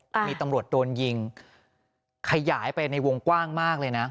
มีตำรวจโดนยิงขยายไปในวงกว้างมากเลยนะ